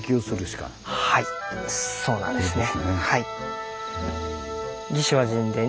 そうなんですね。